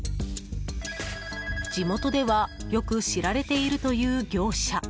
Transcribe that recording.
地元ではよく知られているという業者。